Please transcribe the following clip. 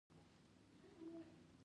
مالټې د بدن سړېدو ته ګټورې دي.